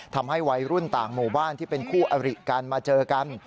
ทำให้วัยรุ่นต่างหมู่บ้านที่เป็นคู่อริกันมาเจอกัน